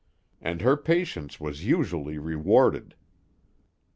And her patience was usually rewarded.